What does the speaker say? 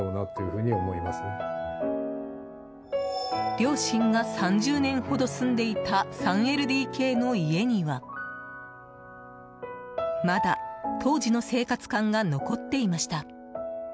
両親が３０年ほど住んでいた３ＬＤＫの家にはまだ、当時の生活感が残っていました。